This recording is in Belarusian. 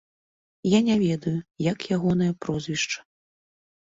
Я не ведаю, як ягонае прозвішча.